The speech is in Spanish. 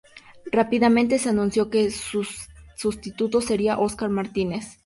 Rápidamente, se anunció que su sustituto sería Óscar Martínez.